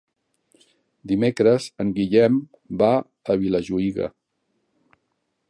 Dimecres en Guillem va a Vilajuïga.